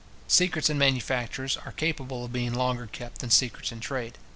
Secrets in manufactures are capable of being longer kept than secrets in trade.